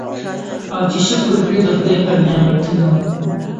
او چي شکر کړي د خدای پر نعمتونو